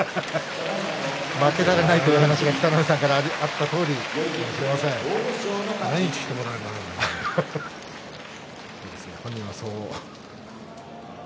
負けられないという話が北の富士さんからあったとおりです。